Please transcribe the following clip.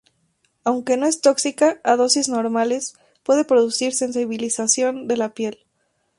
Aunque no es tóxica a dosis normales, puede producir sensibilización de la piel.